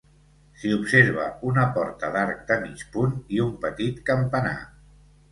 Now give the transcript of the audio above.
S'hi observa una porta d'arc de mig punt i un petit campanar.